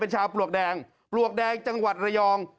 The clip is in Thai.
ชาวปลวกแดงปลวกแดงจังหวัดระยอง